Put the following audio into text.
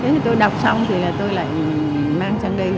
thế tôi đọc xong thì tôi lại mang ra đây